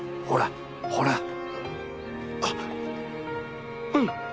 ほらほら。